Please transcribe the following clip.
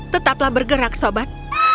tetaplah bergerak sobat